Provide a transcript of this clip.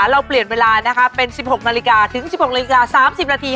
เราเปลี่ยนเวลานะคะเป็น๑๖นาฬิกาถึง๑๖นาฬิกา๓๐นาที